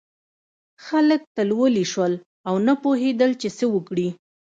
خلک تلولي شول او نه پوهېدل چې څه وکړي.